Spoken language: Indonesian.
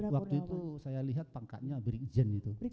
waktu itu saya lihat pangkatnya brigjen itu